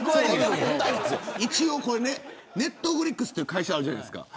一応、ネットフリックスって会社あるじゃないですか。